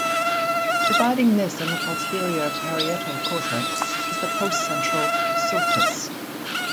Dividing this and the posterior parietal cortex is the postcentral sulcus.